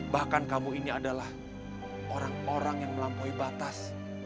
bahkan kamu ini adalah orang orang yang melampaui batas